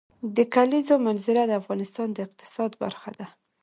د کلیزو منظره د افغانستان د اقتصاد برخه ده.